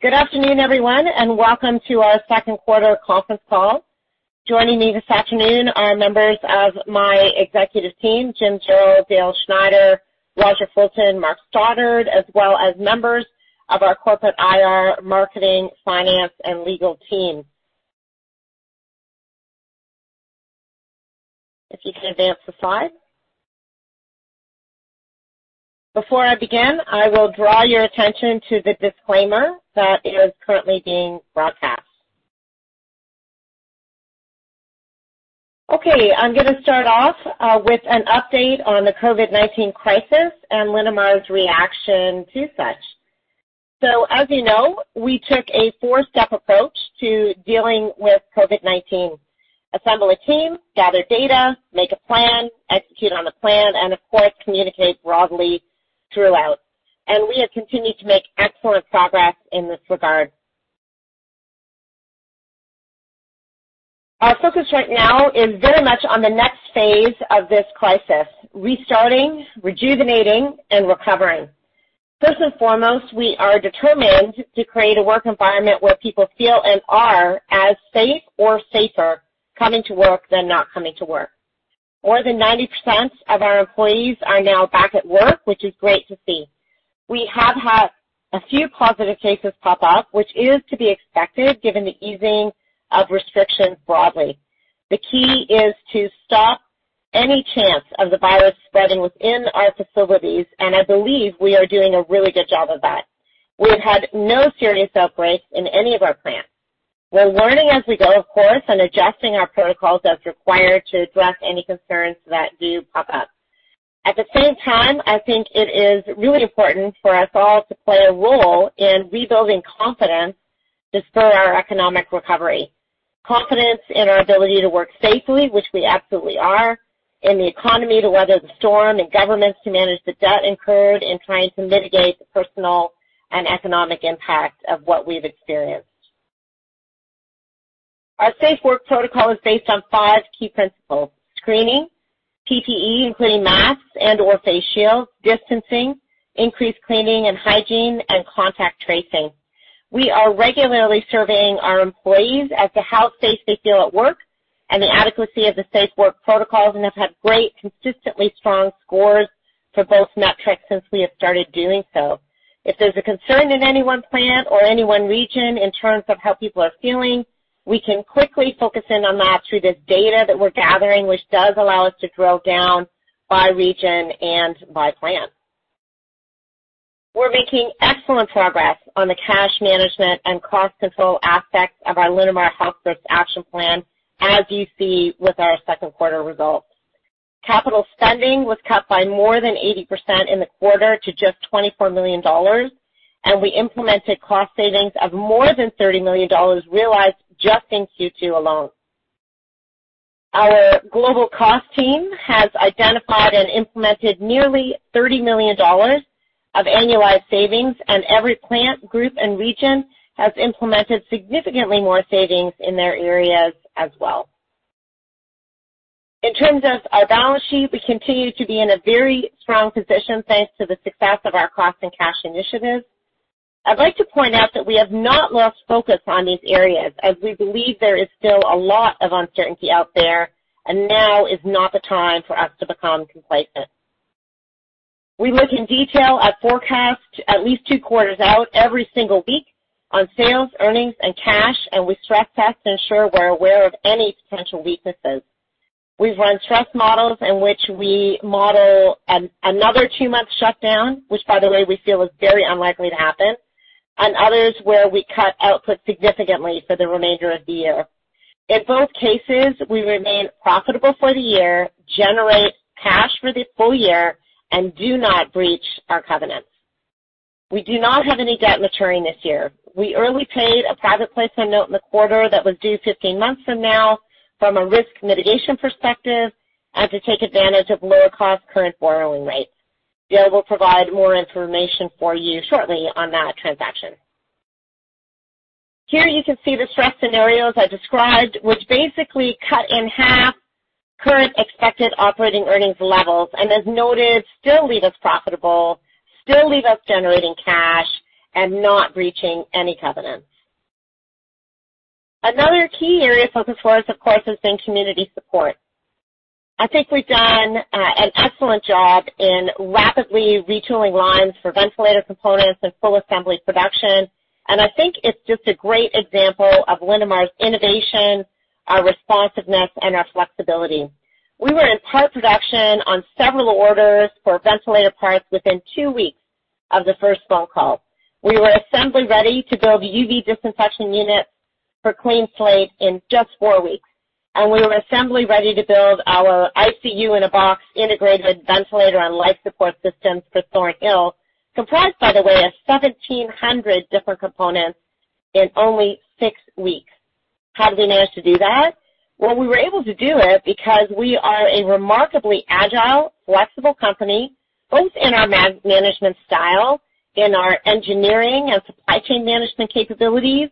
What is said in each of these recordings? Good afternoon, everyone, and welcome to our second quarter conference call. Joining me this afternoon are members of my executive team, Jim Jarrell, Dale Schneider, Roger Fulton, Mark Stoddart, as well as members of our corporate IR, marketing, finance, and legal team. If you can advance the slide. Before I begin, I will draw your attention to the disclaimer that is currently being broadcast. Okay, I'm going to start off with an update on the COVID-19 crisis and Linamar's reaction to such. As you know, we took a four-step approach to dealing with COVID-19. Assemble a team, gather data, make a plan, execute on the plan, and of course, communicate broadly throughout. We have continued to make excellent progress in this regard. Our focus right now is very much on the next phase of this crisis, restarting, rejuvenating, and recovering. First and foremost, we are determined to create a work environment where people feel and are as safe or safer coming to work than not coming to work. More than 90% of our employees are now back at work, which is great to see. We have had a few positive cases pop up, which is to be expected given the easing of restrictions broadly. The key is to stop any chance of the virus spreading within our facilities, and I believe we are doing a really good job of that. We have had no serious outbreaks in any of our plants. We're learning as we go, of course, and adjusting our protocols as required to address any concerns that do pop up. At the same time, I think it is really important for us all to play a role in rebuilding confidence to spur our economic recovery. Confidence in our ability to work safely, which we absolutely are, in the economy to weather the storm, and governments to manage the debt incurred in trying to mitigate the personal and economic impact of what we've experienced. Our safe work protocol is based on five key principles, screening, PPE, including masks and/or face shields, distancing, increased cleaning and hygiene, and contact tracing. We are regularly surveying our employees as to how safe they feel at work and the adequacy of the safe work protocols, and have had great, consistently strong scores for both metrics since we have started doing so. If there's a concern in any one plant or any one region in terms of how people are feeling, we can quickly focus in on that through this data that we're gathering, which does allow us to drill down by region and by plant. We're making excellent progress on the cash management and cost control aspects of our Linamar Health First Action Plan, as you see with our second quarter results. Capital spending was cut by more than 80% in the quarter to just 24 million dollars. We implemented cost savings of more than 30 million dollars realized just in Q2 alone. Our global cost team has identified and implemented nearly 30 million dollars of annualized savings, and every plant, group, and region has implemented significantly more savings in their areas as well. In terms of our balance sheet, we continue to be in a very strong position, thanks to the success of our cost and cash initiatives. I'd like to point out that we have not lost focus on these areas as we believe there is still a lot of uncertainty out there, and now is not the time for us to become complacent. We look in detail at forecasts at least two quarters out every single week on sales, earnings, and cash, and we stress test to ensure we're aware of any potential weaknesses. We've run stress models in which we model another two-month shutdown, which by the way, we feel is very unlikely to happen, and others where we cut output significantly for the remainder of the year. In both cases, we remain profitable for the year, generate cash for the full year, and do not breach our covenants. We do not have any debt maturing this year. We early paid a private placement note in the quarter that was due 15 months from now from a risk mitigation perspective and to take advantage of lower cost current borrowing rates. Dale will provide more information for you shortly on that transaction. Here you can see the stress scenarios I described, which basically cut in half current expected operating earnings levels, and as noted, still leave us profitable, still leave us generating cash, and not breaching any covenants. Another key area of focus for us, of course, has been community support. I think we've done an excellent job in rapidly retooling lines for ventilator components and full assembly production, and I think it's just a great example of Linamar's innovation, our responsiveness, and our flexibility. We were in part production on several orders for ventilator parts within two weeks of the first phone call. We were assembly-ready to build UV disinfection units for CleanSlate UV in just four weeks, and we were assembly-ready to build our ICU in a box integrated ventilator and life support systems for Thornhill Medical, comprised, by the way, of 1,700 different components, in only six weeks. How did we manage to do that? Well, we were able to do it because we are a remarkably agile, flexible company, both in our management style, in our engineering and supply chain management capabilities,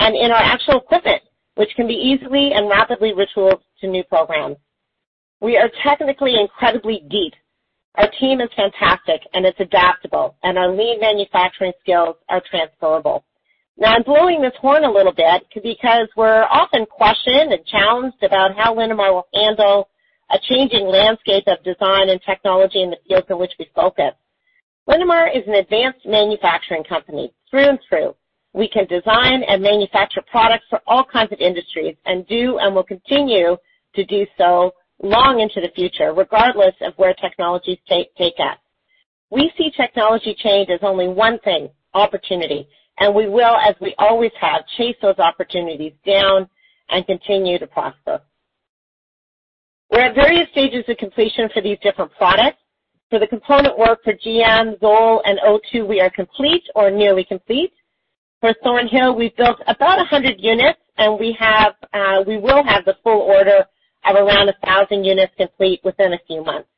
and in our actual equipment, which can be easily and rapidly retooled to new programs. We are technically incredibly deep. Our team is fantastic, and it's adaptable, and our lean manufacturing skills are transferable. Now, I'm blowing this horn a little bit because we're often questioned and challenged about how Linamar will handle a changing landscape of design and technology in the fields in which we focus. Linamar is an advanced manufacturing company through and through. We can design and manufacture products for all kinds of industries and do and will continue to do so long into the future, regardless of where technologies take us. We see technology change as only one thing, opportunity, and we will, as we always have, chase those opportunities down and continue to prosper. We're at various stages of completion for these different products. For the component work for GM, ZOLL and O-Two, we are complete or nearly complete. For Thornhill, we've built about 100 units, and we will have the full order of around 1,000 units complete within a few months.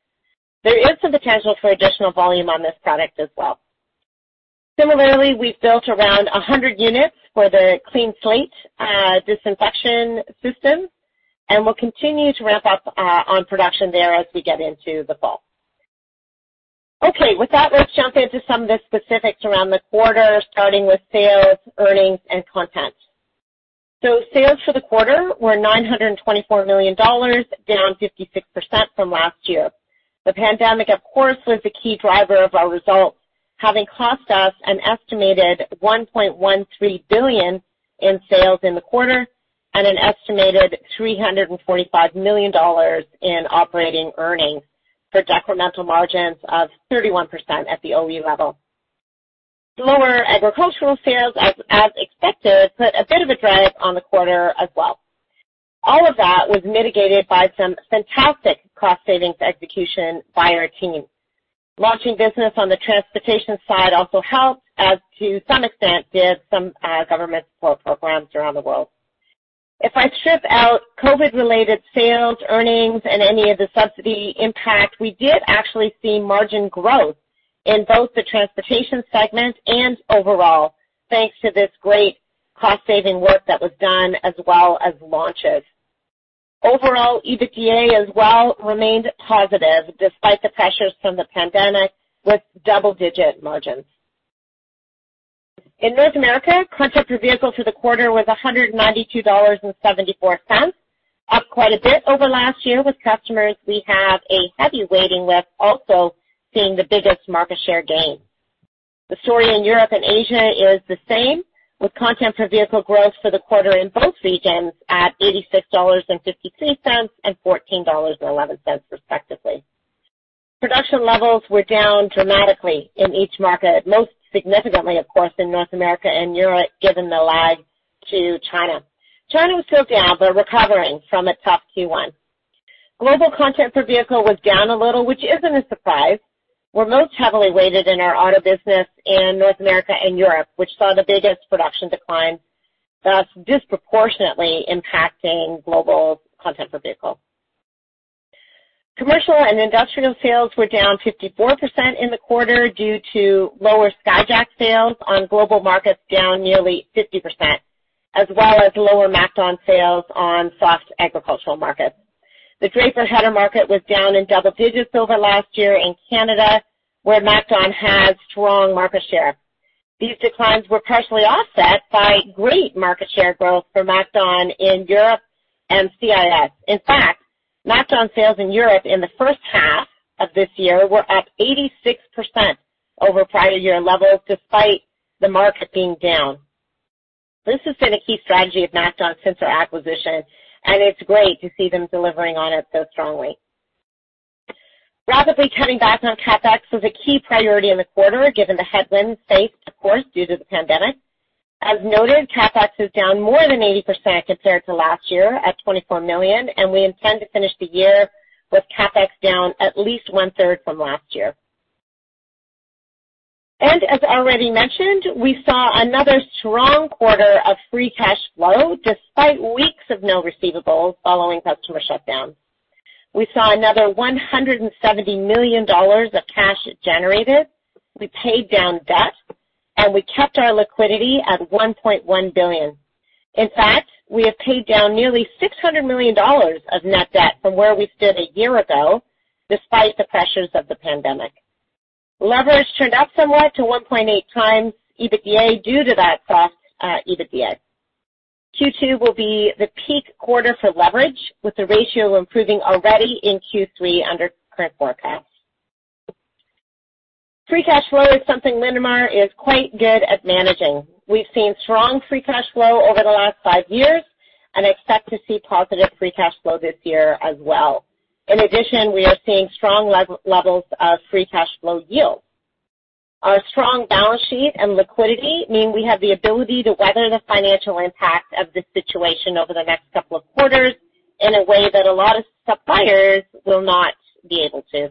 There is some potential for additional volume on this product as well. Similarly, we've built around 100 units for the CleanSlate disinfection system, and we'll continue to ramp up on production there as we get into the fall. Okay. With that, let's jump into some of the specifics around the quarter, starting with sales, earnings, and content. Sales for the quarter were 924 million dollars, down 56% from last year. The pandemic, of course, was the key driver of our results, having cost us an estimated 1.13 billion in sales in the quarter and an estimated 345 million dollars in operating earnings for decremental margins of 31% at the OE level. Lower agricultural sales, as expected, put a bit of a drag on the quarter as well. All of that was mitigated by some fantastic cost-saving execution by our team. Launching business on the transportation side also helped, as to some extent did some government support programs around the world. If I strip out COVID-related sales, earnings, and any of the subsidy impact, we did actually see margin growth in both the transportation segment and overall, thanks to this great cost-saving work that was done as well as launches. Overall, EBITDA as well remained positive despite the pressures from the pandemic with double-digit margins. In North America, content per vehicle for the quarter was 192.74 dollars, up quite a bit over last year with customers we have a heavy weighting with also seeing the biggest market share gain. The story in Europe and Asia is the same, with content per vehicle growth for the quarter in both regions at 86.53 dollars and 14.11 dollars respectively. Production levels were down dramatically in each market, most significantly, of course, in North America and Europe, given the lag to China. China was still down but recovering from a tough Q1. Global content per vehicle was down a little, which isn't a surprise. We're most heavily weighted in our auto business in North America and Europe, which saw the biggest production decline, thus disproportionately impacting global content per vehicle. Commercial and industrial sales were down 54% in the quarter due to lower Skyjack sales on global markets down nearly 50%, as well as lower MacDon sales on soft agricultural markets. The draper header market was down in double digits over last year in Canada, where MacDon has strong market share. These declines were partially offset by great market share growth for MacDon in Europe and CIS. In fact, MacDon sales in Europe in the first half of this year were up 86% over prior year levels despite the market being down. This has been a key strategy of MacDon since our acquisition, and it's great to see them delivering on it so strongly. Rapidly cutting back on CapEx was a key priority in the quarter, given the headwinds faced, of course, due to the pandemic. As noted, CapEx is down more than 80% compared to last year at 24 million. We intend to finish the year with CapEx down at least one-third from last year. As already mentioned, we saw another strong quarter of free cash flow despite weeks of no receivables following customer shutdown. We saw another 170 million dollars of cash generated. We paid down debt, and we kept our liquidity at 1.1 billion. In fact, we have paid down nearly 600 million dollars of net debt from where we stood a year ago, despite the pressures of the pandemic. Leverage turned up somewhat to 1.8x EBITDA due to that soft EBITDA. Q2 will be the peak quarter for leverage, with the ratio improving already in Q3 under current forecasts. Free cash flow is something Linamar is quite good at managing. We've seen strong free cash flow over the last five years and expect to see positive free cash flow this year as well. In addition, we are seeing strong levels of free cash flow yield. Our strong balance sheet and liquidity mean we have the ability to weather the financial impact of this situation over the next couple of quarters in a way that a lot of suppliers will not be able to.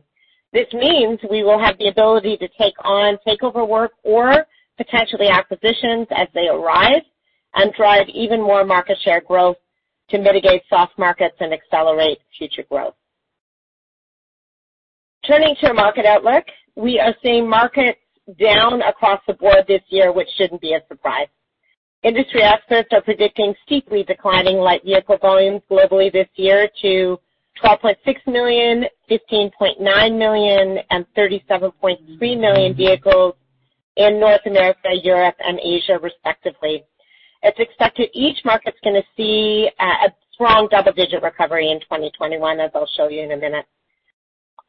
This means we will have the ability to take on takeover work or potentially acquisitions as they arise and drive even more market share growth to mitigate soft markets and accelerate future growth. Turning to market outlook. We are seeing markets down across the board this year, which shouldn't be a surprise. Industry experts are predicting steeply declining light vehicle volumes globally this year to 12.6 million, 15.9 million, and 37.3 million vehicles in North America, Europe, and Asia, respectively. It's expected each market's going to see a strong double-digit recovery in 2021, as I'll show you in a minute.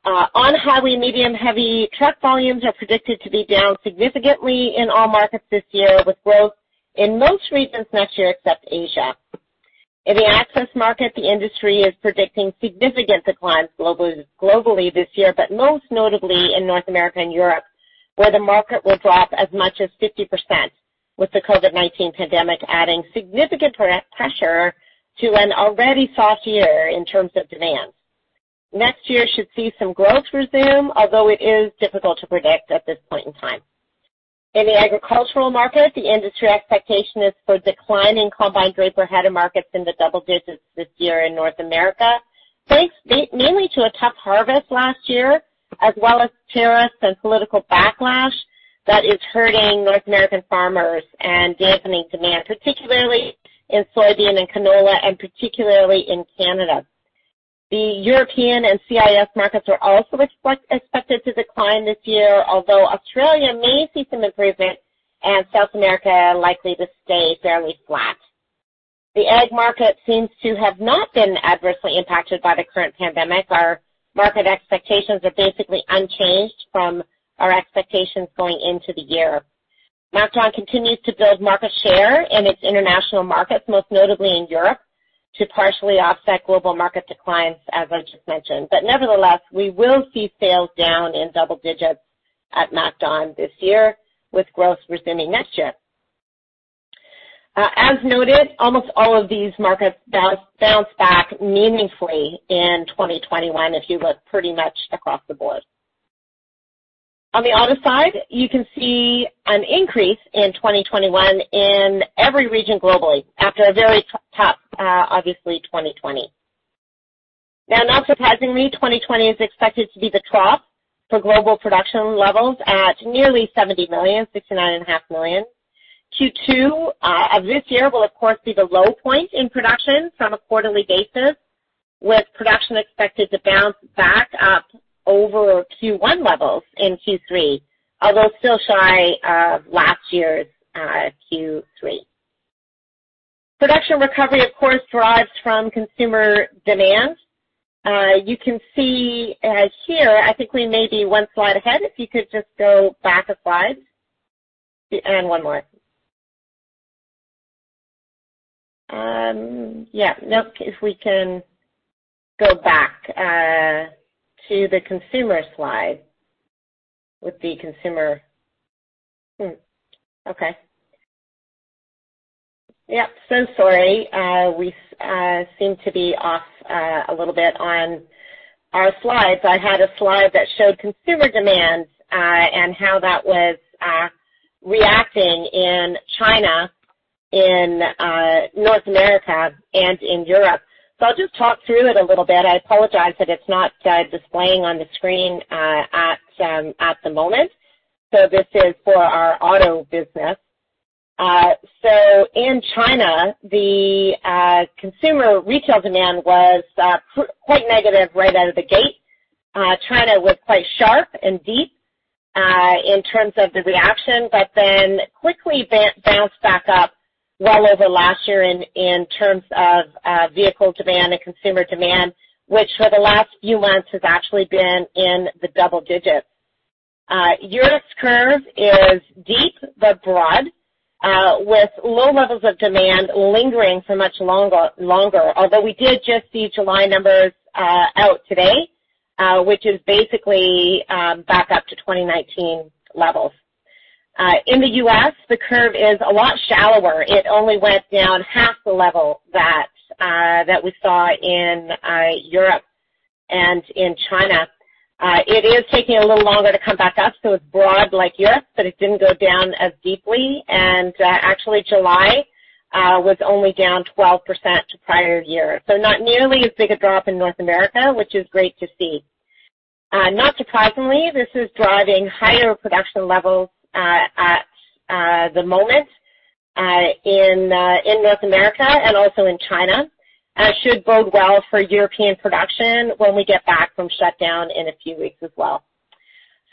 On highway, medium heavy truck volumes are predicted to be down significantly in all markets this year, with growth in most regions next year, except Asia. In the access market, the industry is predicting significant declines globally this year, but most notably in North America and Europe, where the market will drop as much as 50%, with the COVID-19 pandemic adding significant pressure to an already soft year in terms of demand. Next year should see some growth resume, although it is difficult to predict at this point in time. In the agricultural market, the industry expectation is for decline in combined draper header markets in the double digits this year in North America, thanks mainly to a tough harvest last year, as well as tariffs and political backlash that is hurting North American farmers and dampening demand, particularly in soybean and canola, and particularly in Canada. The European and CIS markets are also expected to decline this year, although Australia may see some improvement and South America likely to stay fairly flat. The ag market seems to have not been adversely impacted by the current pandemic. Our market expectations are basically unchanged from our expectations going into the year. MacDon continues to build market share in its international markets, most notably in Europe, to partially offset global market declines, as I just mentioned. Nevertheless, we will see sales down in double digits at MacDon this year, with growth resuming next year. As noted, almost all of these markets bounce back meaningfully in 2021 if you look pretty much across the board. On the auto side, you can see an increase in 2021 in every region globally after a very tough, obviously, 2020. Now, not surprisingly, 2020 is expected to be the trough for global production levels at nearly 70 million, 69.5 million. Q2 of this year will of course be the low point in production from a quarterly basis, with production expected to bounce back up over Q1 levels in Q3, although still shy of last year's Q3. Production recovery, of course, derives from consumer demand. You can see here-- I think we may be one slide ahead, if you could just go back a slide. One more. Yeah. Nope. If we can go back to the consumer slide with the consumer-- Hmm, okay. Yep. Sorry. We seem to be off a little bit on our slides. I had a slide that showed consumer demand, and how that was reacting in China, in North America, and in Europe. I'll just talk through it a little bit. I apologize that it's not displaying on the screen at the moment. This is for our auto business. In China, the consumer retail demand was quite negative right out of the gate. China was quite sharp and deep, in terms of the reaction, but then quickly bounced back up well over last year in terms of vehicle demand and consumer demand, which for the last few months has actually been in the double digits. Europe's curve is deep but broad, with low levels of demand lingering for much longer. We did just see July numbers out today, which is basically back up to 2019 levels. In the U.S., the curve is a lot shallower. It only went down half the level that we saw in Europe and in China. It is taking a little longer to come back up, it's broad like Europe, it didn't go down as deeply. Actually July was only down 12% to prior year. Not nearly as big a drop in North America, which is great to see. Not surprisingly, this is driving higher production levels at the moment in North America and also in China. Should bode well for European production when we get back from shutdown in a few weeks as well.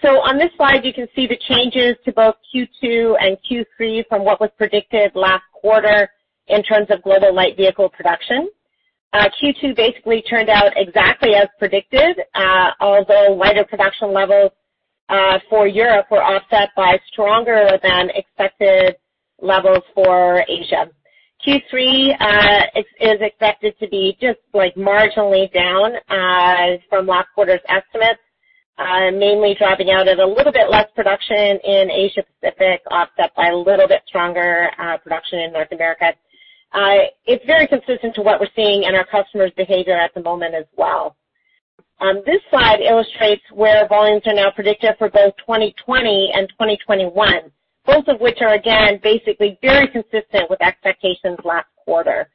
On this slide, you can see the changes to both Q2 and Q3 from what was predicted last quarter in terms of global light vehicle production. Q2 basically turned out exactly as predicted. Lighter production levels for Europe were offset by stronger-than-expected levels for Asia. Q3 is expected to be just marginally down from last quarter's estimates. Mainly dropping out at a little bit less production in Asia Pacific, offset by a little bit stronger production in North America. It's very consistent to what we're seeing in our customers' behavior at the moment as well. This slide illustrates where volumes are now predicted for both 2020 and 2021, both of which are again, basically very consistent with expectations last quarter.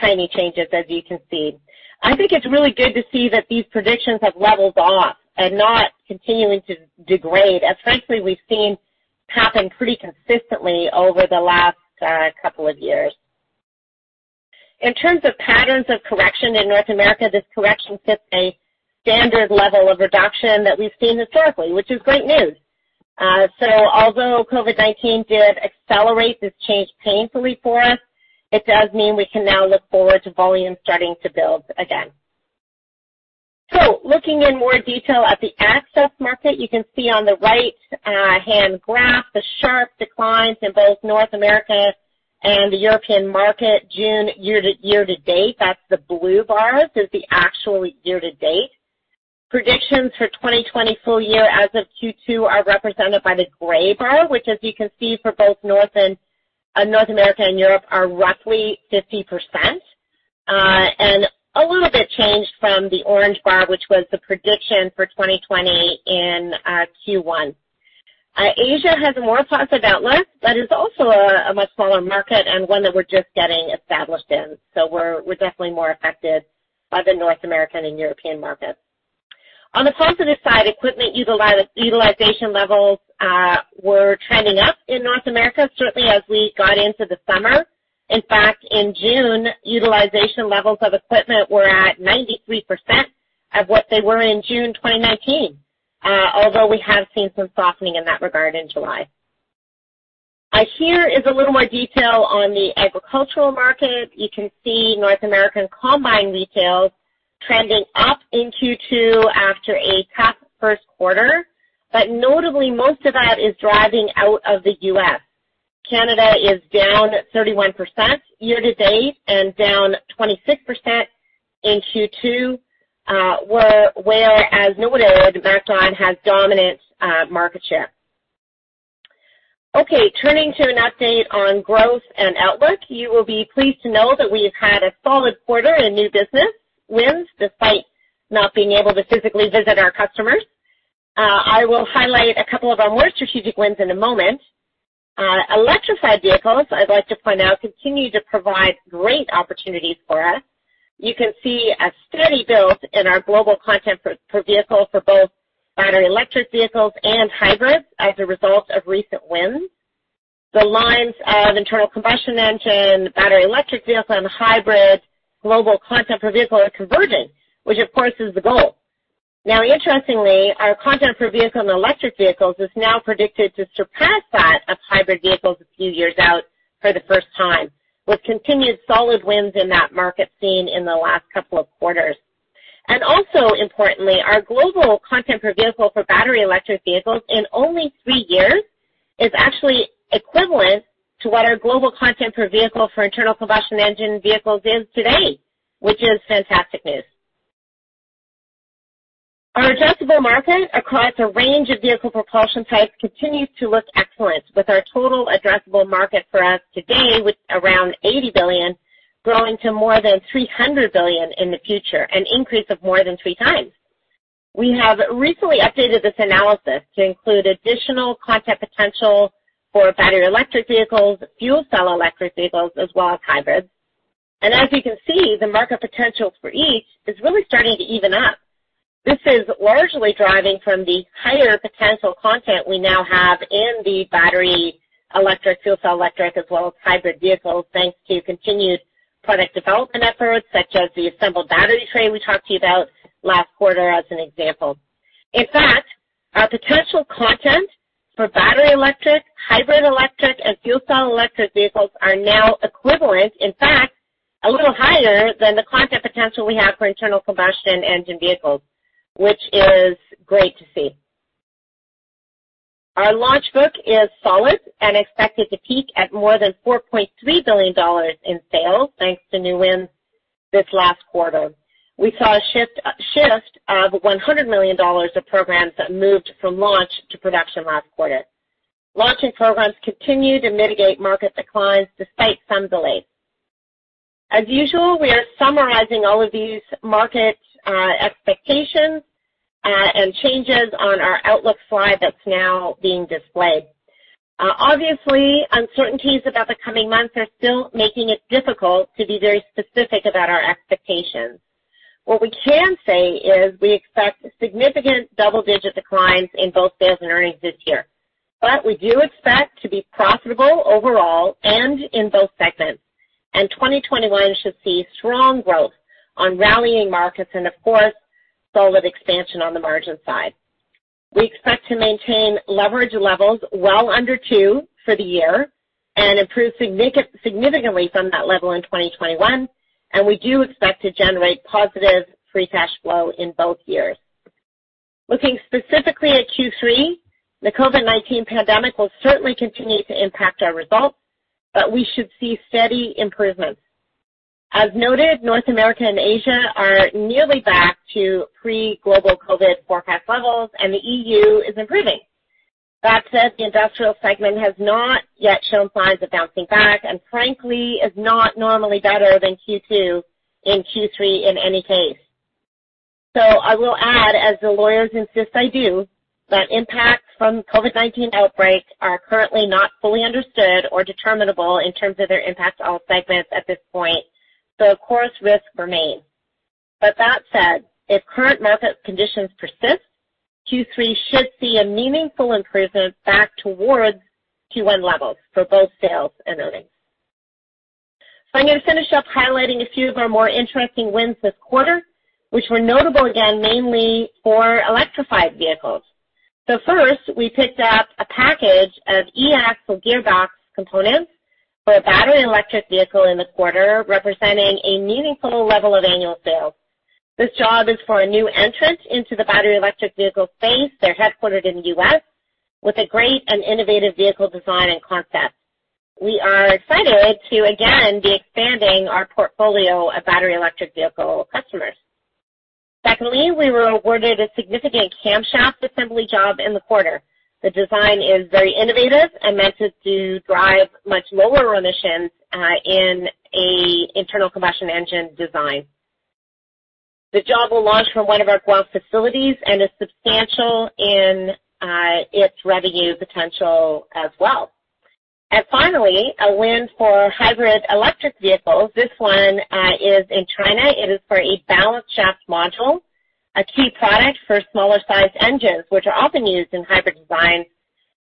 Tiny changes, as you can see. I think it's really good to see that these predictions have leveled off and not continuing to degrade as frankly we've seen happen pretty consistently over the last couple of years. In terms of patterns of correction in North America, this correction fits a standard level of reduction that we've seen historically, which is great news. Although COVID-19 did accelerate this change painfully for us, it does mean we can now look forward to volumes starting to build again. Looking in more detail at the access market, you can see on the right-hand graph the sharp declines in both North America and the European market June year-to-date. That's the blue bars, is the actual year-to-date. Predictions for 2020 full year as of Q2 are represented by the gray bar, which as you can see for both North America and Europe, are roughly 50% and a little bit changed from the orange bar, which was the prediction for 2020 in Q1. Asia has a more positive outlook, but is also a much smaller market and one that we're just getting established in. We're definitely more affected by the North American and European markets. On the positive side, equipment utilization levels were trending up in North America, certainly as we got into the summer. In fact, in June, utilization levels of equipment were at 93% of what they were in June 2019, although we have seen some softening in that regard in July. Here is a little more detail on the agricultural market. You can see North American combine retail trending up in Q2 after a tough first quarter. Notably, most of that is driving out of the U.S. Canada is down 31% year-to-date and down 26% in Q2, where, as noted earlier, [the backline] has dominant market share. Turning to an update on growth and outlook. You will be pleased to know that we have had a solid quarter in new business wins despite not being able to physically visit our customers. I will highlight a couple of our more strategic wins in a moment. Electrified vehicles, I'd like to point out, continue to provide great opportunities for us. You can see a steady build in our global content per vehicle for both battery electric vehicles and hybrids as a result of recent wins. The lines of internal combustion engine, battery electric vehicle, and hybrid global content per vehicle are converging, which of course, is the goal. Now, interestingly, our content per vehicle in electric vehicles is now predicted to surpass that of hybrid vehicles a few years out for the first time, with continued solid wins in that market seen in the last couple of quarters. Also importantly, our global content per vehicle for battery electric vehicles in only three years is actually equivalent to what our global content per vehicle for internal combustion engine vehicles is today, which is fantastic news. Our addressable market across a range of vehicle propulsion types continues to look excellent, with our total addressable market for us today with around 80 billion growing to more than 300 billion in the future, an increase of more than 3x. We have recently updated this analysis to include additional content potential for battery electric vehicles, fuel cell electric vehicles, as well as hybrids. As you can see, the market potential for each is really starting to even up. This is largely driving from the higher potential content we now have in the battery electric, fuel cell electric, as well as hybrid vehicles, thanks to continued product development efforts such as the assembled battery tray we talked to you about last quarter as an example. In fact, our potential content for battery electric, hybrid electric, and fuel cell electric vehicles are now equivalent, in fact, a little higher than the content potential we have for internal combustion engine vehicles, which is great to see. Our launch book is solid and expected to peak at more than 4.3 billion dollars in sales, thanks to new wins this last quarter. We saw a shift of 100 million dollars of programs that moved from launch to production last quarter. Launching programs continue to mitigate market declines despite some delays. As usual, we are summarizing all of these market expectations and changes on our outlook slide that's now being displayed. Obviously, uncertainties about the coming months are still making it difficult to be very specific about our expectations. We do expect to be profitable overall and in both segments, and 2021 should see strong growth on rallying markets and of course, solid expansion on the margin side. We expect to maintain leverage levels well under two for the year and improve significantly from that level in 2021, and we do expect to generate positive free cash flow in both years. Looking specifically at Q3, the COVID-19 pandemic will certainly continue to impact our results, but we should see steady improvements. As noted, North America and Asia are nearly back to pre-global COVID-19 forecast levels, and the EU is improving. That said, the industrial segment has not yet shown signs of bouncing back and frankly is not normally better than Q2 and Q3 in any case. I will add, as the lawyers insist I do, that impacts from COVID-19 outbreaks are currently not fully understood or determinable in terms of their impact to all segments at this point, so of course, risks remain. That said, if current market conditions persist, Q3 should see a meaningful improvement back towards Q1 levels for both sales and earnings. I'm going to finish up highlighting a few of our more interesting wins this quarter, which were notable again, mainly for electrified vehicles. First, we picked up a package of e-axle gearbox components for a battery electric vehicle in the quarter, representing a meaningful level of annual sales. This job is for a new entrant into the battery electric vehicle space. They're headquartered in the U.S. with a great and innovative vehicle design and concept. We are excited to, again, be expanding our portfolio of battery electric vehicle customers. Secondly, we were awarded a significant camshaft assembly job in the quarter. The design is very innovative and meant to drive much lower emissions in an internal combustion engine design. The job will launch from one of our Guelph facilities and is substantial in its revenue potential as well. Finally, a win for hybrid electric vehicles. This one is in China. It is for a balance shaft module, a key product for smaller-sized engines, which are often used in hybrid design.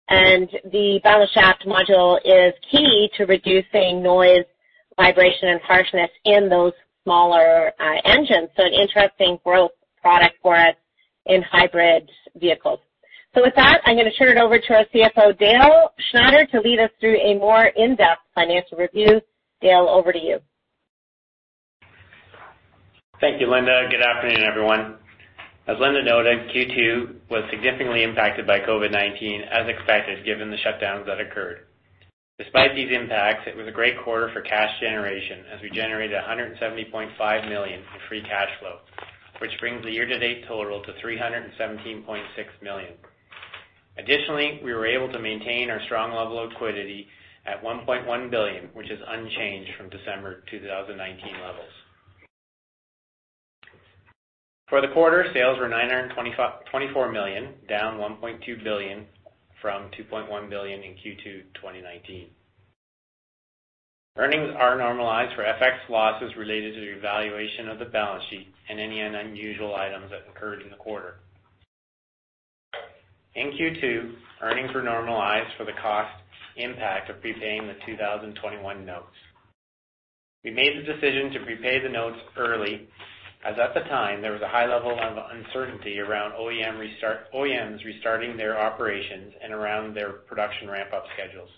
The balance shaft module is key to reducing noise, vibration, and harshness in those smaller engines. An interesting growth product for us in hybrid vehicles. With that, I'm going to turn it over to our CFO, Dale Schneider, to lead us through a more in-depth financial review. Dale, over to you. Thank you, Linda. Good afternoon, everyone. As Linda noted, Q2 was significantly impacted by COVID-19, as expected, given the shutdowns that occurred. Despite these impacts, it was a great quarter for cash generation, as we generated 170.5 million in free cash flow, which brings the year-to-date total to 317.6 million. Additionally, we were able to maintain our strong level of liquidity at 1.1 billion, which is unchanged from December 2019 levels. For the quarter, sales were 924 million, down 1.2 billion from 2.1 billion in Q2 2019. Earnings are normalized for FX losses related to the valuation of the balance sheet and any unusual items that occurred in the quarter. In Q2, earnings were normalized for the cost impact of prepaying the 2021 notes. We made the decision to prepay the notes early, as at the time, there was a high level of uncertainty around OEMs restarting their operations and around their production ramp-up schedules.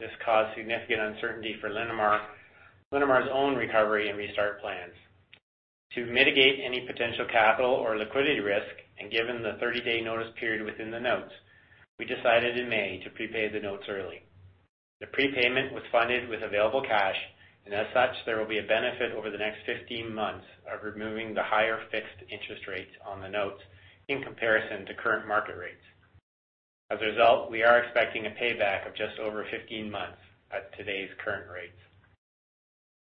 This caused significant uncertainty for Linamar's own recovery and restart plans. To mitigate any potential capital or liquidity risk, and given the 30-day notice period within the notes, we decided in May to prepay the notes early. The prepayment was funded with available cash, and as such, there will be a benefit over the next 15 months of removing the higher fixed interest rates on the notes in comparison to current market rates. As a result, we are expecting a payback of just over 15 months at today's current rates.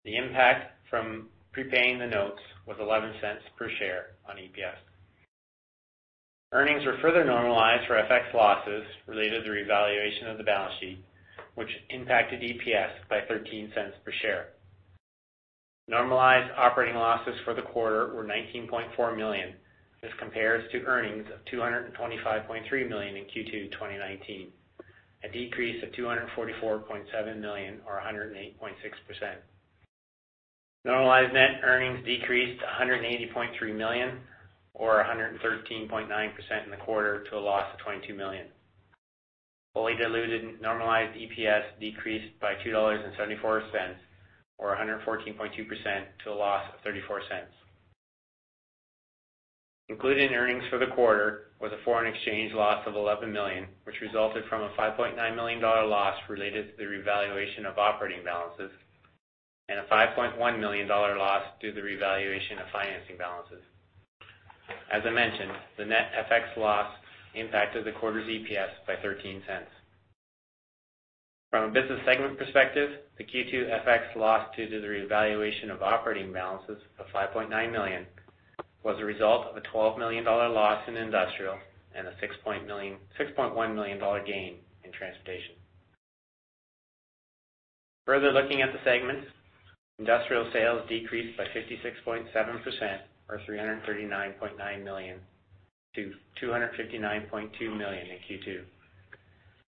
The impact from prepaying the notes was 0.11 per share on EPS. Earnings were further normalized for FX losses related to the revaluation of the balance sheet, which impacted EPS by 0.13 per share. Normalized operating losses for the quarter were 19.4 million. This compares to earnings of 225.3 million in Q2 2019, a decrease of 244.7 million or 108.6%. Normalized net earnings decreased to 180.3 million or 113.9% in the quarter to a loss of 22 million. Fully diluted normalized EPS decreased by 2.74 dollars or 114.2% to a loss of 0.34. Included in earnings for the quarter was a foreign exchange loss of 11 million, which resulted from a 5.9 million dollar loss related to the revaluation of operating balances and a 5.1 million dollar loss due to the revaluation of financing balances. As I mentioned, the net FX loss impacted the quarter's EPS by 0.13. From a business segment perspective, the Q2 FX loss due to the revaluation of operating balances of 5.9 million was a result of a 12 million dollar loss in Industrial and a 6.1 million dollar gain in Transportation. Further looking at the segments, Industrial sales decreased by 56.7% or 339.9 million to 259.2 million in Q2.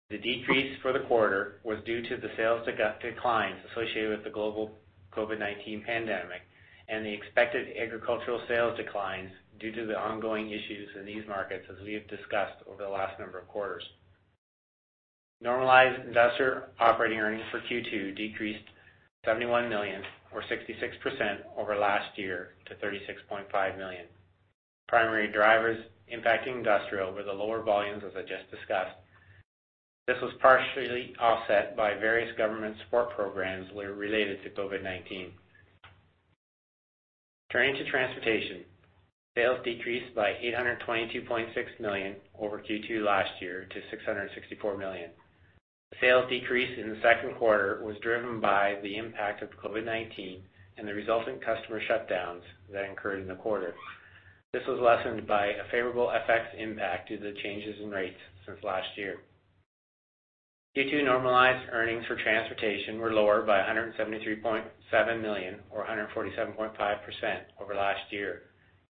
The decrease for the quarter was due to the sales declines associated with the global COVID-19 pandemic and the expected agricultural sales declines due to the ongoing issues in these markets, as we have discussed over the last number of quarters. Normalized Industrial operating earnings for Q2 decreased 71 million or 66% over last year to 36.5 million. Primary drivers impacting Industrial were the lower volumes, as I just discussed. This was partially offset by various government support programs related to COVID-19. Turning to transportation, sales decreased by 822.6 million over Q2 last year to 664 million. The sales decrease in the second quarter was driven by the impact of COVID-19 and the resulting customer shutdowns that occurred in the quarter. This was lessened by a favorable FX impact due to the changes in rates since last year. Q2 normalized earnings for transportation were lower by 173.7 million, or 147.5% over last year.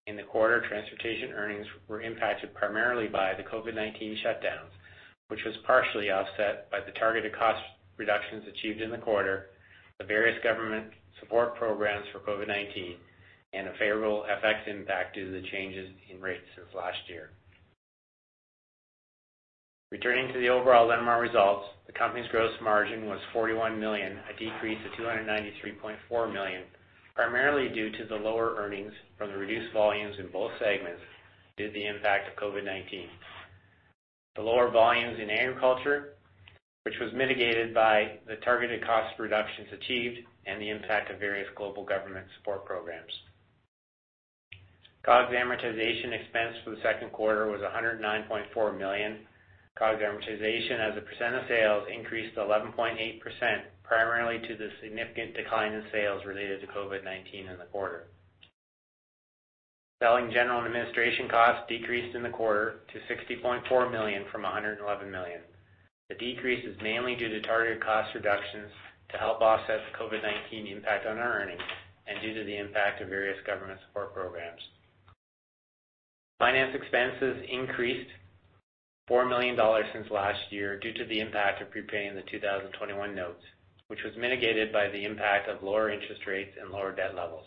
In the quarter, transportation earnings were impacted primarily by the COVID-19 shutdowns, which was partially offset by the targeted cost reductions achieved in the quarter, the various government support programs for COVID-19, and a favorable FX impact due to the changes in rates since last year. Returning to the overall Linamar results, the company's gross margin was 41 million, a decrease of 293.4 million primarily due to the lower earnings from the reduced volumes in both segments due to the impact of COVID-19. The lower volumes in agriculture, which was mitigated by the targeted cost reductions achieved and the impact of various global government support programs. COGS amortization expense for the second quarter was 109.4 million. COGS amortization as a percent of sales increased to 11.8%, primarily to the significant decline in sales related to COVID-19 in the quarter. Selling, general, and administration costs decreased in the quarter to 60.4 million from 111 million. The decrease is mainly due to targeted cost reductions to help offset the COVID-19 impact on our earnings and due to the impact of various government support programs. Finance expenses increased 4 million dollars since last year due to the impact of prepaying the 2021 notes, which was mitigated by the impact of lower interest rates and lower debt levels.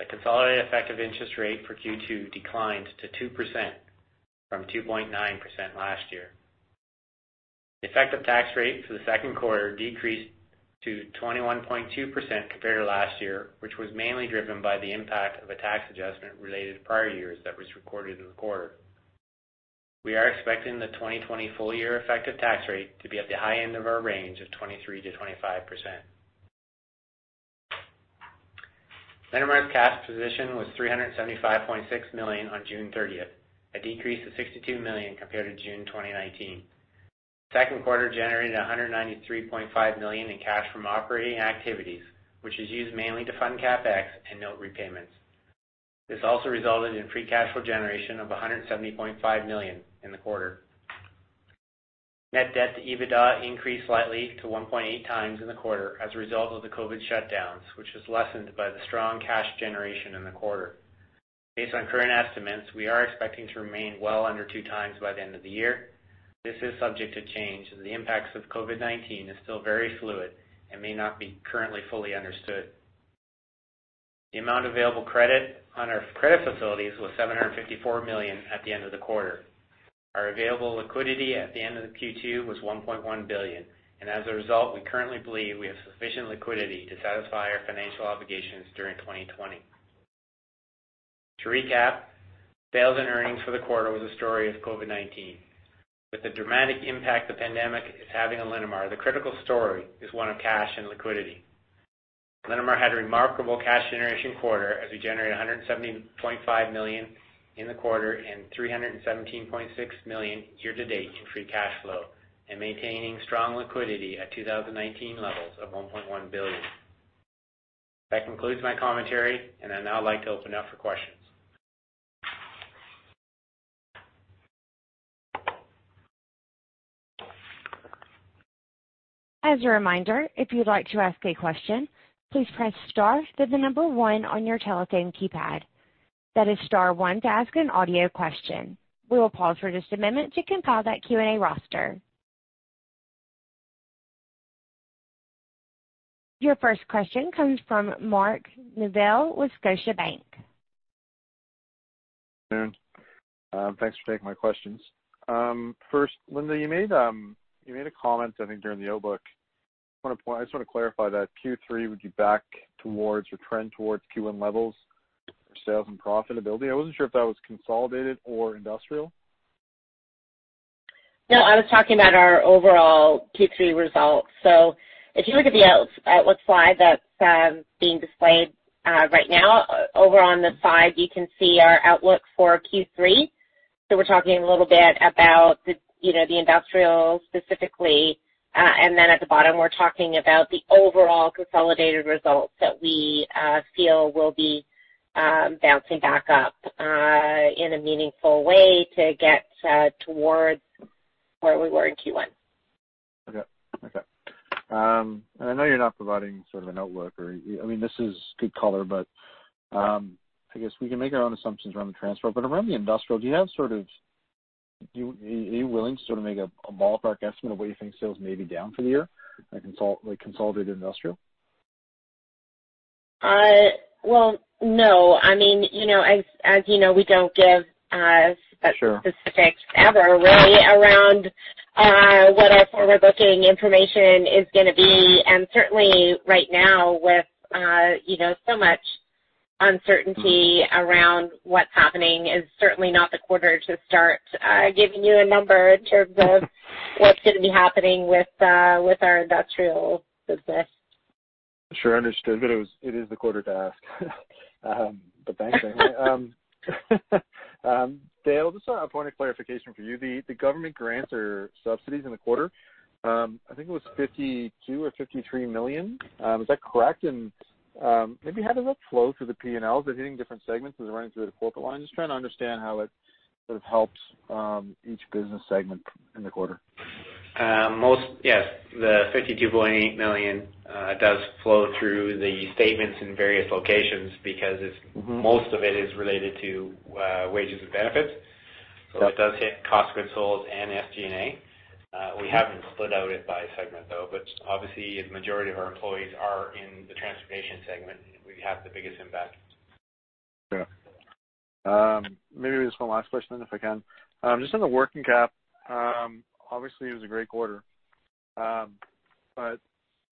The consolidated effective interest rate for Q2 declined to 2% from 2.9% last year. The effective tax rate for the second quarter decreased to 21.2% compared to last year, which was mainly driven by the impact of a tax adjustment related to prior years that was recorded in the quarter. We are expecting the 2020 full year effective tax rate to be at the high end of our range of 23%-25%. Linamar's cash position was 375.6 million on June 30th, a decrease of 62 million compared to June 2019. Second quarter generated 193.5 million in cash from operating activities, which is used mainly to fund CapEx and note repayments. This also resulted in free cash flow generation of 170.5 million in the quarter. Net debt to EBITDA increased slightly to 1.8x in the quarter as a result of the COVID-19 shutdowns, which was lessened by the strong cash generation in the quarter. Based on current estimates, we are expecting to remain well under two times by the end of the year. This is subject to change, as the impacts of COVID-19 is still very fluid and may not be currently fully understood. The amount of available credit on our credit facilities was 754 million at the end of the quarter. Our available liquidity at the end of the Q2 was 1.1 billion, and as a result, we currently believe we have sufficient liquidity to satisfy our financial obligations during 2020. To recap, sales and earnings for the quarter was a story of COVID-19. With the dramatic impact the pandemic is having on Linamar, the critical story is one of cash and liquidity. Linamar had a remarkable cash generation quarter as we generated 170.5 million in the quarter and 317.6 million year-to-date in free cash flow, and maintaining strong liquidity at 2019 levels of CAD 1.1 billion. That concludes my commentary. I'd now like to open up for questions. As a reminder, if you'd like to ask a question, please press star, then the number one on your telephone keypad. That is star one to ask an audio question. We will pause for just a moment to compile that Q&A roster. Your first question comes from Mark Neville with Scotiabank. Good afternoon. Thanks for taking my questions. First, Linda, you made a comment, I think, during the outlook. I just want to clarify that Q3 would be back towards or trend towards Q1 levels for sales and profitability. I wasn't sure if that was consolidated or industrial. No, I was talking about our overall Q3 results. If you look at the outlook slide that's being displayed right now, over on the side, you can see our outlook for Q3. We're talking a little bit about the industrial specifically. At the bottom, we're talking about the overall consolidated results that we feel will be bouncing back up in a meaningful way to get towards where we were in Q1. Okay. I know you're not providing sort of an outlook or, this is good color, but I guess we can make our own assumptions around the transport. Around the Industrial, are you willing to sort of make a ballpark estimate of what you think sales may be down for the year? Like consolidated Industrial? Well, no. As you know. Sure that specific ever, really, around what our forward-booking information is going to be. Certainly right now with so much uncertainty around what's happening, is certainly not the quarter to start giving you a number in terms of what's going to be happening with our industrial business. Sure, understood. It is the quarter to ask. Thanks anyway. Dale, just a point of clarification for you. The government grants or subsidies in the quarter, I think it was 52 million or 53 million. Is that correct? Maybe how does that flow through the P&L? Does it hit in different segments? Does it run through the corporate line? Just trying to understand how it sort of helps each business segment in the quarter. Yes. The 52.8 million does flow through the statements in various locations because most of it is related to wages and benefits. Okay. It does hit cost of sales and SG&A. We haven't split out it by segment, though. Obviously, the majority of our employees are in the transportation segment, where we have the biggest impact. Sure. Maybe just one last question, if I can. Just on the working cap, obviously, it was a great quarter. I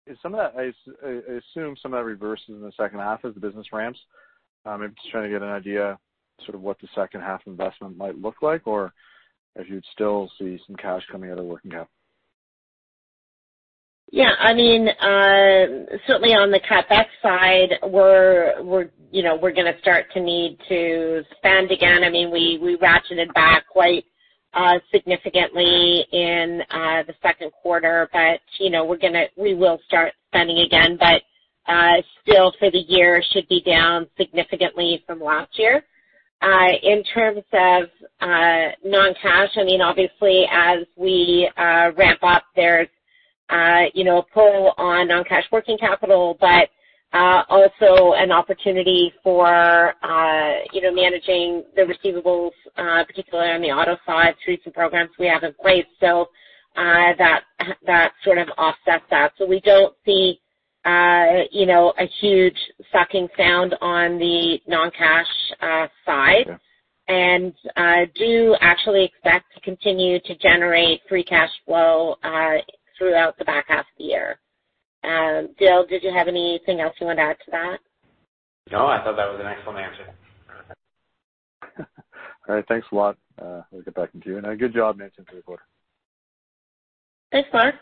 assume some of that reverses in the second half as the business ramps. I'm just trying to get an idea sort of what the second half investment might look like, or if you'd still see some cash coming out of working cap. Yeah. Certainly on the CapEx side, we're going to start to need to spend again. We ratcheted back quite significantly in the second quarter. We will start spending again, but still for the year should be down significantly from last year. In terms of non-cash, obviously, as we ramp up, there's a pull on non-cash working capital, but also an opportunity for managing the receivables, particularly on the auto side, through some programs we have in place. That sort of offsets that. We don't see a huge sucking sound on the non-cash side. Okay. Do actually expect to continue to generate free cash flow throughout the back half of the year. Dale, did you have anything else you wanted to add to that? I thought that was an excellent answer. All right. Thanks a lot. We'll get back to you. Good job managing through the quarter. Thanks, Mark.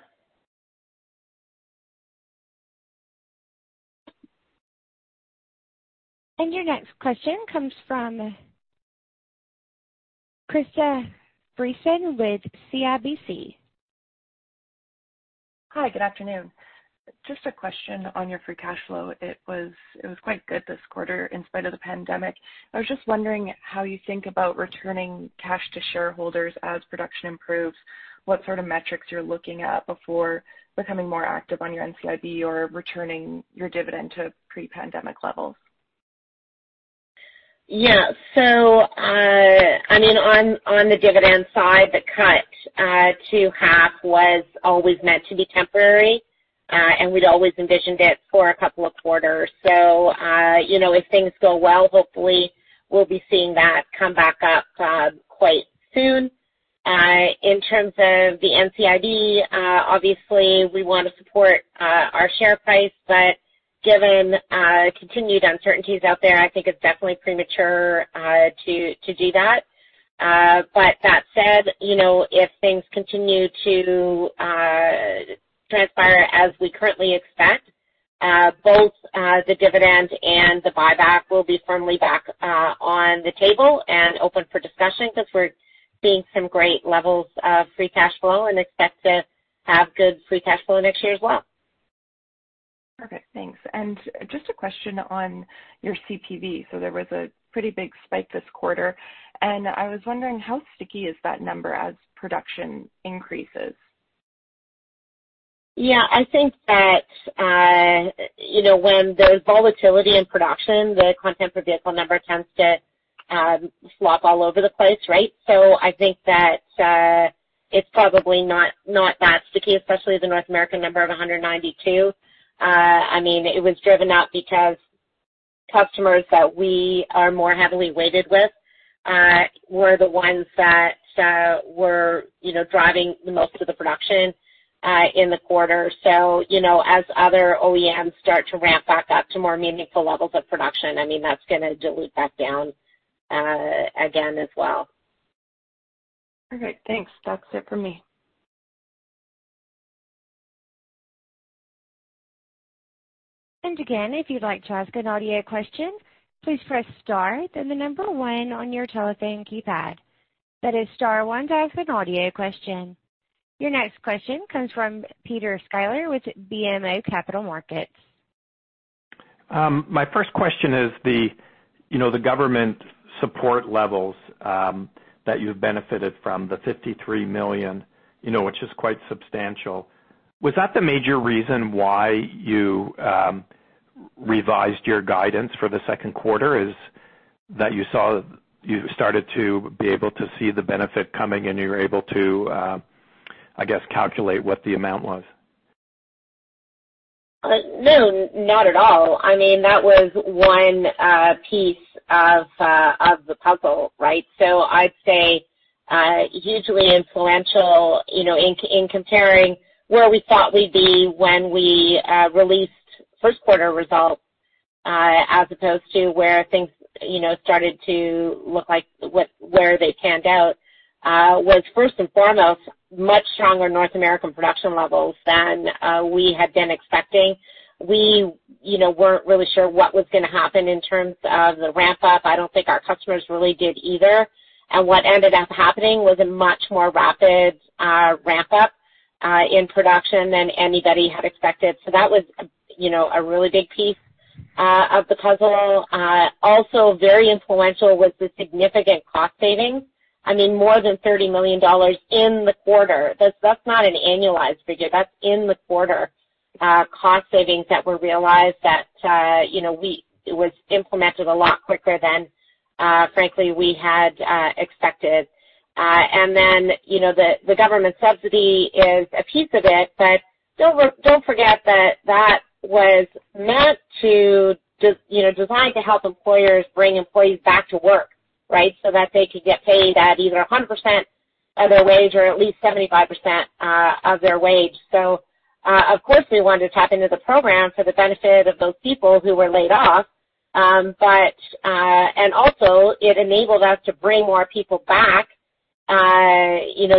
Your next question comes from Krista Friesen with CIBC. Hi, good afternoon. Just a question on your free cash flow. It was quite good this quarter in spite of the pandemic. I was just wondering how you think about returning cash to shareholders as production improves, what sort of metrics you're looking at before becoming more active on your NCIB or returning your dividend to pre-pandemic levels? Yeah. On the dividend side, the cut to half was always meant to be temporary, and we'd always envisioned it for a couple of quarters. If things go well, hopefully we'll be seeing that come back up quite soon. In terms of the NCIB, obviously we want to support our share price, but given continued uncertainties out there, I think it's definitely premature to do that. That said, if things continue to transpire as we currently expect, both the dividend and the buyback will be firmly back on the table and open for discussion because we're seeing some great levels of free cash flow and expect to have good free cash flow next year as well. Perfect. Thanks. Just a question on your CPV. There was a pretty big spike this quarter, and I was wondering how sticky is that number as production increases? I think that when there's volatility in production, the content per vehicle number tends to flop all over the place, right? I think that it's probably not that sticky, especially the North American number of 192. It was driven up because customers that we are more heavily weighted with were the ones that were driving the most of the production in the quarter. As other OEMs start to ramp back up to more meaningful levels of production, that's going to dilute back down again as well. Perfect. Thanks. That's it for me. Your next question comes from Peter Sklar with BMO Capital Markets. My first question is the government support levels that you've benefited from, the 53 million which is quite substantial. Was that the major reason why you revised your guidance for the second quarter, is that you started to be able to see the benefit coming and you were able to, I guess, calculate what the amount was? No, not at all. That was one piece of the puzzle, right? I'd say hugely influential in comparing where we thought we'd be when we released first quarter results. As opposed to where things started to look like where they panned out, was first and foremost, much stronger North American production levels than we had been expecting. We weren't really sure what was going to happen in terms of the ramp-up. I don't think our customers really did either. What ended up happening was a much more rapid ramp-up in production than anybody had expected. That was a really big piece of the puzzle. Also very influential was the significant cost saving. More than 30 million dollars in the quarter. That's not an annualized figure, that's in the quarter cost savings that were realized that it was implemented a lot quicker than, frankly, we had expected. Then, the government subsidy is a piece of it, but don't forget that that was designed to help employers bring employees back to work, right? That they could get paid at either 100% of their wage or at least 75% of their wage. Of course, we wanted to tap into the program for the benefit of those people who were laid off. Also, it enabled us to bring more people back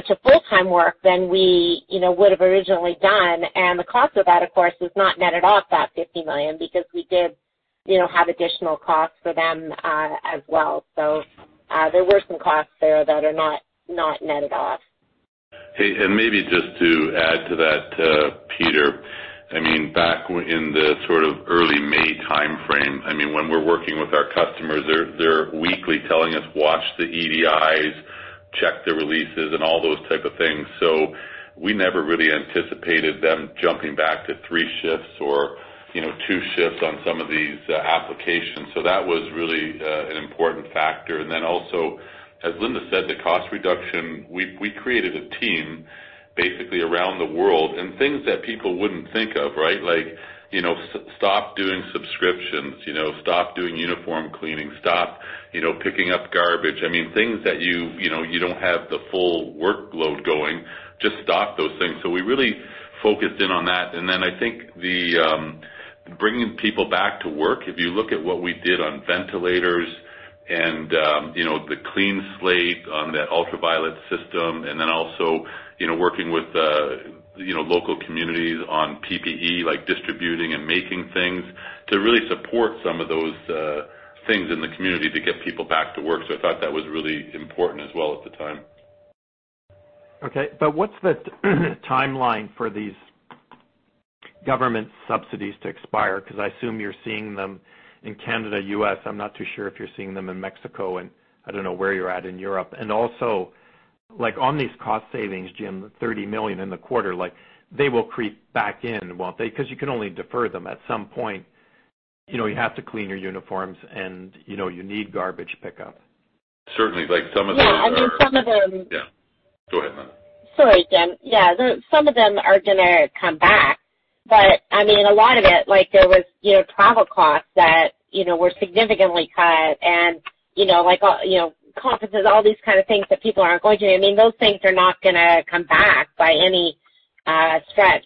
to full-time work than we would have originally done. The cost of that, of course, was not netted off that 50 million, because we did have additional costs for them as well. There were some costs there that are not netted off. Maybe just to add to that, Peter. Back in the sort of early May timeframe, when we're working with our customers, they're weekly telling us, "Watch the EDIs, check the releases" and all those type of things. We never really anticipated them jumping back to three shifts or two shifts on some of these applications. That was really an important factor. Then also, as Linda said, the cost reduction, we created a team basically around the world, and things that people wouldn't think of, right? Like, stop doing subscriptions, stop doing uniform cleaning, stop picking up garbage. Things that you don't have the full workload going, just stop those things. We really focused in on that. I think the bringing people back to work, if you look at what we did on ventilators and the CleanSlate UV on that UV disinfection system, also working with local communities on PPE, like distributing and making things to really support some of those things in the community to get people back to work. I thought that was really important as well at the time. Okay, what's the timeline for these government subsidies to expire? I assume you're seeing them in Canada, U.S., I'm not too sure if you're seeing them in Mexico, I don't know where you're at in Europe. Also, on these cost savings, Jim, 30 million in the quarter, they will creep back in, won't they? You can only defer them. At some point, you have to clean your uniforms and you need garbage pickup. Certainly. Some of them are- Yeah, I mean. Yeah. Go ahead, Linda. Sorry, Jim. Yeah, some of them are gonna come back. A lot of it, there was travel costs that were significantly cut and conferences, all these kind of things that people aren't going to. Those things are not gonna come back by any stretch.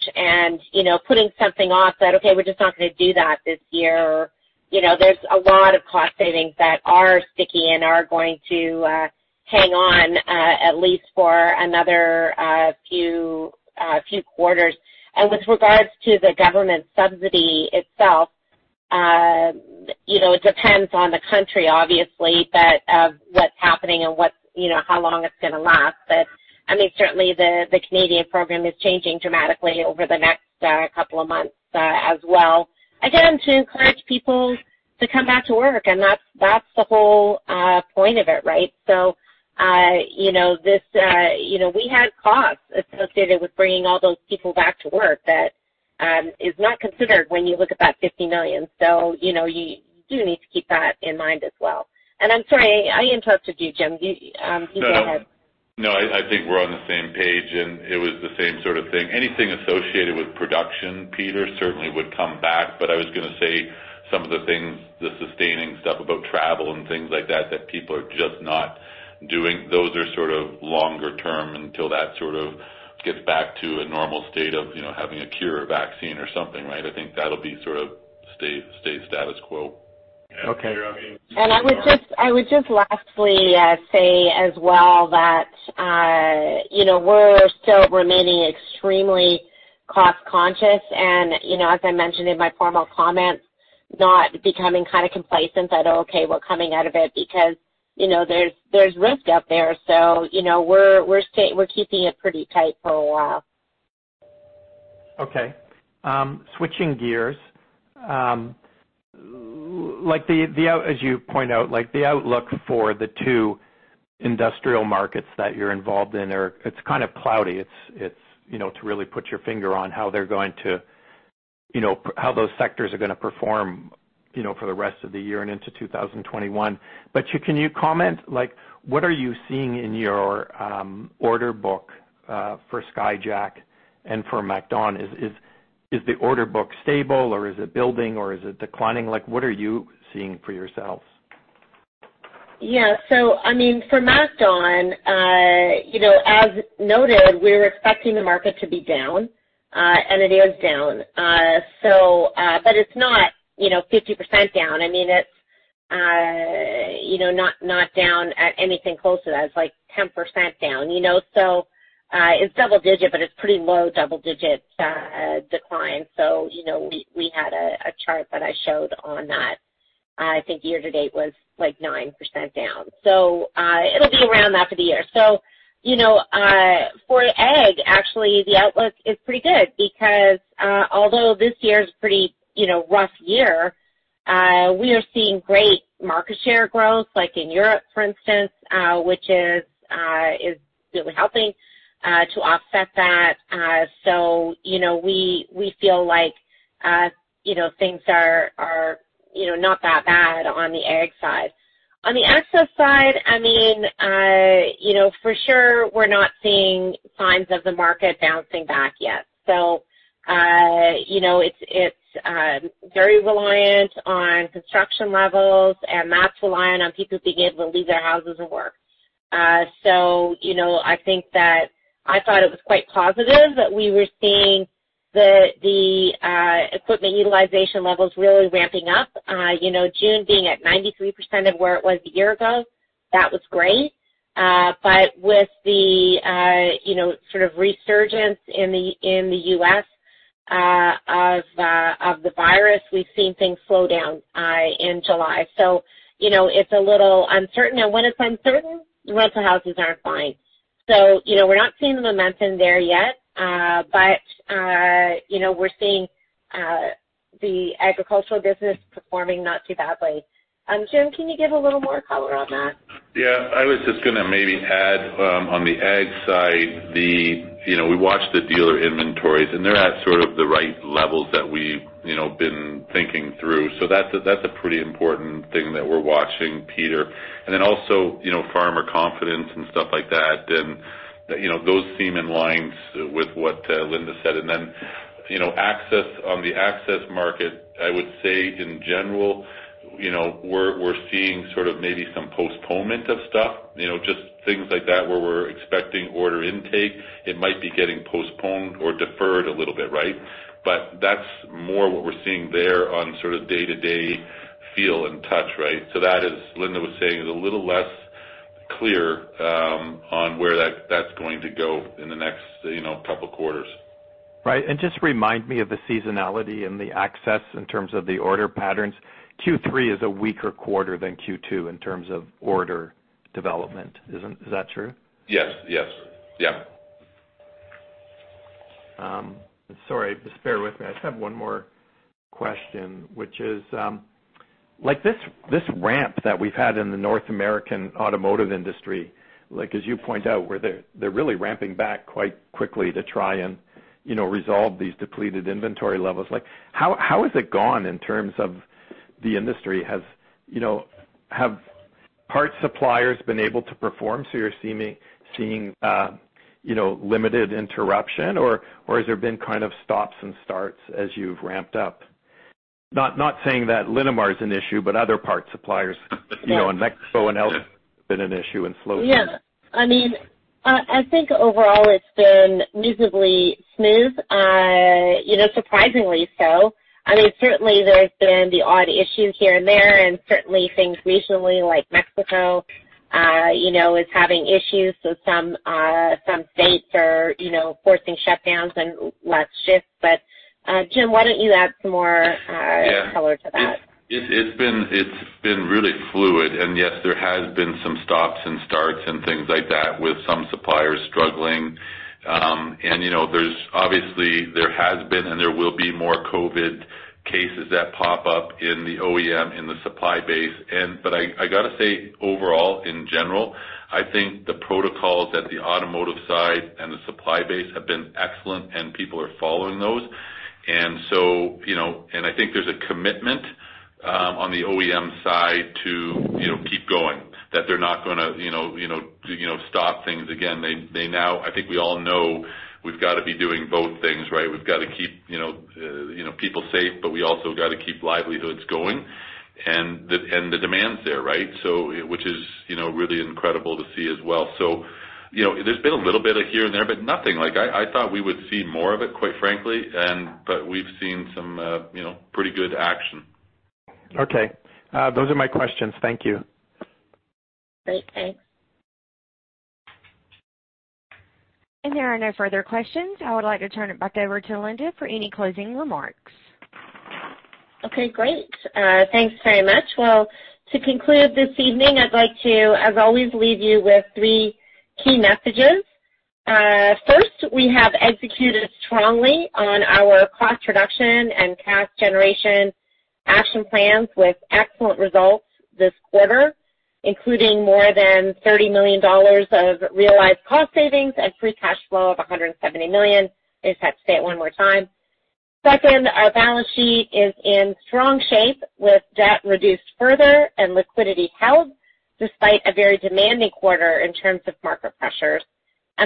Putting something off that, Okay, we're just not gonna do that this year, there's a lot of cost savings that are sticky and are going to hang on, at least for another few quarters. With regards to the government subsidy itself, it depends on the country, obviously, what's happening and how long it's gonna last. Certainly, the Canadian program is changing dramatically over the next couple of months as well. Again, to encourage people to come back to work, and that's the whole point of it, right? We had costs associated with bringing all those people back to work that is not considered when you look at that 50 million. You do need to keep that in mind as well. I'm sorry, I interrupted you, Jim. You go ahead. No, I think we're on the same page. It was the same sort of thing. Anything associated with production, Peter, certainly would come back. I was gonna say some of the things, the sustaining stuff about travel and things like that that people are just not doing, those are sort of longer term until that sort of gets back to a normal state of having a cure, a vaccine or something, right? I think that'll be sort of stay status quo. Okay. I would just lastly say as well that we're still remaining extremely cost-conscious and, as I mentioned in my formal comments, not becoming kind of complacent that, "Okay, we're coming out of it," because there's risk out there. We're keeping it pretty tight for a while. Okay. Switching gears. As you point out, the outlook for the two industrial markets that you're involved in It's kind of cloudy to really put your finger on how those sectors are gonna perform for the rest of the year and into 2021. Can you comment, what are you seeing in your order book for Skyjack and for MacDon? Is the order book stable or is it building or is it declining? What are you seeing for yourselves? For MacDon, as noted, we're expecting the market to be down, and it is down. It's not 50% down. It's not down at anything close to that. It's like 10% down. It's double digit, but it's pretty low double digits decline. We had a chart that I showed on that. I think year to date was 9% down. It'll be around that for the year. For ag, actually, the outlook is pretty good because although this year is pretty rough year, we are seeing great market share growth, like in Europe, for instance, which is really helping to offset that. We feel like things are not that bad on the ag side. On the access side, for sure, we're not seeing signs of the market bouncing back yet. It's very reliant on construction levels and that's reliant on people being able to leave their houses and work. I thought it was quite positive that we were seeing the equipment utilization levels really ramping up. June being at 93% of where it was one year ago, that was great. With the sort of resurgence in the U.S. of the virus, we've seen things slow down in July. It's a little uncertain. When it's uncertain, rental houses aren't buying. We're not seeing the momentum there yet. We're seeing the agricultural business performing not too badly. Jim, can you give a little more color on that? I was just going to maybe add on the ag side, we watched the dealer inventories, and they're at sort of the right levels that we've been thinking through. That's a pretty important thing that we're watching, Peter. Also, farmer confidence and stuff like that, and those seem in lines with what Linda said. On the access market, I would say in general, we're seeing sort of maybe some postponement of stuff. Just things like that where we're expecting order intake, it might be getting postponed or deferred a little bit, right? That's more what we're seeing there on sort of day to day feel and touch, right? That, as Linda was saying, is a little less clear on where that's going to go in the next couple quarters. Right. Just remind me of the seasonality and the access in terms of the order patterns. Q3 is a weaker quarter than Q2 in terms of order development. Is that true? Yes. Sorry. Just bear with me. I just have one more question, which is, this ramp that we've had in the North American automotive industry, as you point out, where they're really ramping back quite quickly to try and resolve these depleted inventory levels. How has it gone in terms of the industry? Have parts suppliers been able to perform, so you're seeing limited interruption? Has there been kind of stops and starts as you've ramped up? Not saying that Linamar is an issue, other parts suppliers, Mexico and else been an issue and slow down? Yeah. I think overall it's been reasonably smooth. Surprisingly so. Certainly there's been the odd issue here and there, and certainly things regionally like Mexico is having issues with some states are forcing shutdowns and less shifts. Jim, why don't you add some more color to that? It's been really fluid. Yes, there has been some stops and starts and things like that with some suppliers struggling. Obviously there has been and there will be more COVID-19 cases that pop up in the OEM, in the supply base. I got to say overall, in general, I think the protocols at the automotive side and the supply base have been excellent and people are following those. I think there's a commitment on the OEM side to keep going, that they're not going to stop things again. I think we all know we've got to be doing both things, right? We've got to keep people safe, but we also got to keep livelihoods going. The demand's there, right? Which is really incredible to see as well. There's been a little bit of here and there, but nothing. I thought we would see more of it, quite frankly. We've seen some pretty good action. Okay. Those are my questions. Thank you. Great. Thanks. There are no further questions. I would like to turn it back over to Linda for any closing remarks. Okay, great. Thanks very much. To conclude this evening, I'd like to, as always, leave you with three key messages. First, we have executed strongly on our cost reduction and cash generation action plans with excellent results this quarter, including more than 30 million dollars of realized cost savings and free cash flow of 170 million. I just have to say it one more time. Second, our balance sheet is in strong shape with debt reduced further and liquidity held despite a very demanding quarter in terms of market pressures.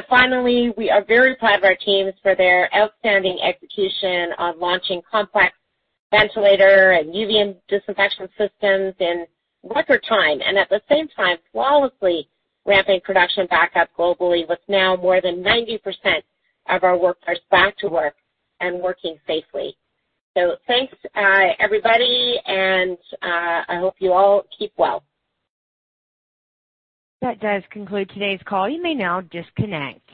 Finally, we are very proud of our teams for their outstanding execution on launching complex ventilator and UV disinfection systems in record time, and at the same time, flawlessly ramping production back up globally with now more than 90% of our workforce back to work and working safely. Thanks everybody, and I hope you all keep well. That does conclude today's call. You may now disconnect.